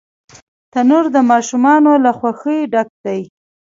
تنور د ماشومانو له خوښۍ ډک دی